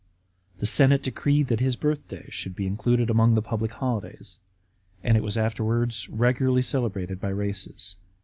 The senate decreed that his birthday should be included among the public holidays, and it was afterwards regularly celebrated by races.